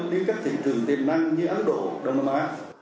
đi các thị trường tiềm năng như ấn độ đông nam á